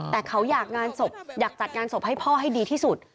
แต่เขาอยากจัดงานศพให้พ่อให้ดีที่สุด